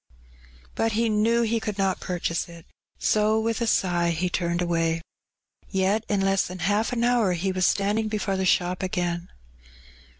But he knew he could not purchase it, so with a sigh he turned away. Yet in less than half an horn* he was standing before the shop again.